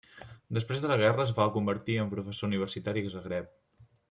Després de la guerra es va convertir en professor universitari a Zagreb.